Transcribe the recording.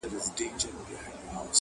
دا زړه نه دی په کوګل کي مي سور اور دی!!